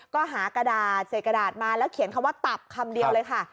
ก็หากระดาษใส่กระดาษมาแล้วเขียนคำว่าตับคำเดียวเลยค่ะ